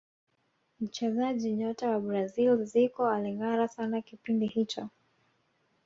mchezaji nyota wa brazil zico alingara sana kipindi hicho